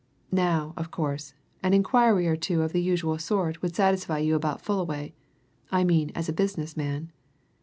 Now, of course, an inquiry or two of the usual sort would satisfy you about Fullaway I mean as a business man.